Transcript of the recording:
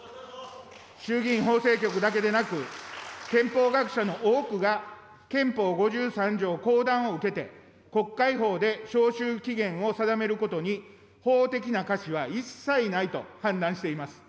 衆議院法制局だけでなく、憲法学者の多くが憲法５３条後段を受けて、国会法で召集期限を定めることに法的なかしは一切ないと判断しています。